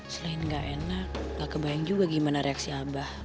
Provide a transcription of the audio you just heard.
selain gak enak gak kebayang juga gimana reaksi abah